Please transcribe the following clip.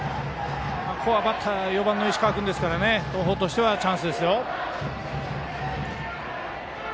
ここはバッター４番の石川君なので東邦としてはチャンスですよ。